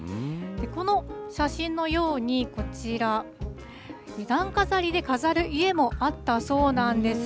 この写真のように、こちら、段飾りで飾る家もあったそうなんです。